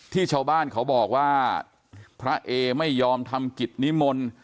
ที่ชาวบ้านเขาบอกว่าพระเอไม่ยอมทำกิจนิมนต์